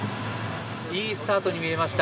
いいスタートに見えました。